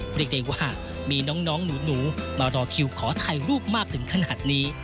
เรียกได้ว่ามีน้องหนูมารอคิวขอถ่ายรูปมากถึงขนาดนี้